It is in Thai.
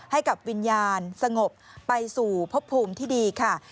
ให้กับวิญญาณสงบไปสู่พบภูมิที่ดีค่ะ